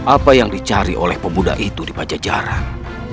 apa yang dicari oleh pemuda itu di pajajaran